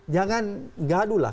jangan gaduh lah